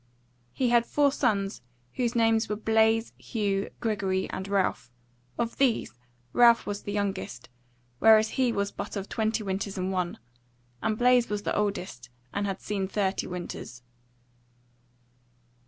He had four sons whose names were Blaise, Hugh, Gregory and Ralph: of these Ralph was the youngest, whereas he was but of twenty winters and one; and Blaise was the oldest and had seen thirty winters.